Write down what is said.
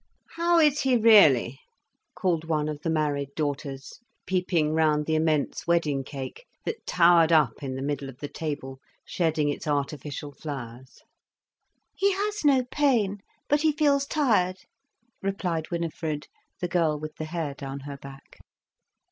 "How is he, really?" called one of the married daughters, peeping round the immense wedding cake that towered up in the middle of the table shedding its artificial flowers. "He has no pain, but he feels tired," replied Winifred, the girl with the hair down her back.